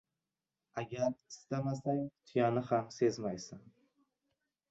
• Agar istamasang tuyani ham sezmaysan.